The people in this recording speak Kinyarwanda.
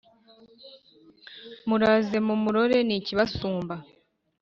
Muraze mumurore nikibasumba